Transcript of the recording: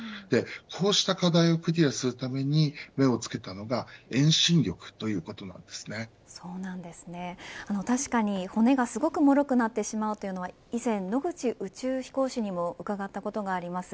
こうした課題をクリアするために目をつけたのが確かに骨がすごくもろくなってしまうというのは以前、野口宇宙飛行士にも伺ったことがあります。